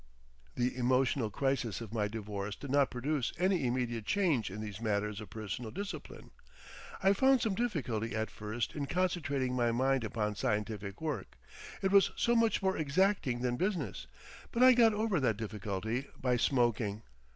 The emotional crisis of my divorce did not produce any immediate change in these matters of personal discipline. I found some difficulty at first in concentrating my mind upon scientific work, it was so much more exacting than business, but I got over that difficulty by smoking.